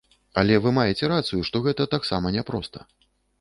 Але вы маеце рацыю, што гэта таксама няпроста.